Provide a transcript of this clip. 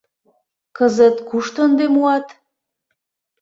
Кызыт кушто ынде муат?